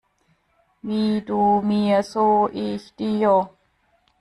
Wie du mir so ich dir.